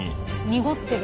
濁ってる。